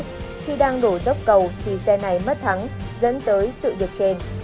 khi đang đổ dốc cầu thì xe này mất thắng dẫn tới sự việc trên